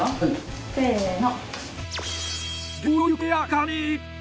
せの。